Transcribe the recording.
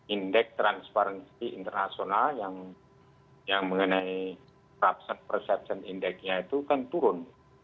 indeks transparansi internasional yang mengenai perception index nya itu kan turun